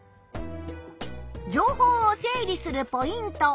情報を整理するポイント。